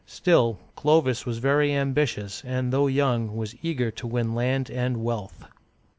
Still, Clovis was very ambitious, and though young, was eager to win land and wealth.